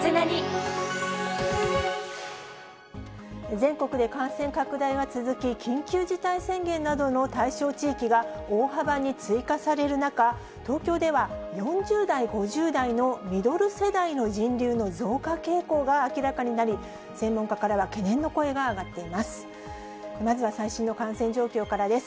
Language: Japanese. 全国で感染拡大は続き、緊急事態宣言などの対象地域が大幅に追加される中、東京では、４０代、５０代のミドル世代の人流の増加傾向が明らかになり、専門家からは懸念の声が上がっています。